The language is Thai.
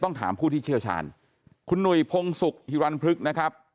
ถามผู้ที่เชี่ยวชาญคุณหนุ่ยพงศุกร์ฮิรันพฤกษ์นะครับ